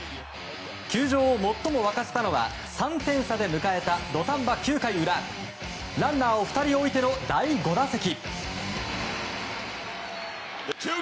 球場を最も沸かせたのは３点差で迎えた土壇場９回裏ランナーを２人置いての第５打席。